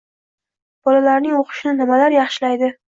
Bolalarning o‘qishini nimalar yaxshilaydi?